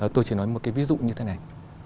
tôi chỉ nói một cái ví dụ như thế này